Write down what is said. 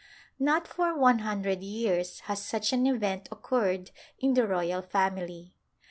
Not for one hundred years has such an event occurred in the royal family.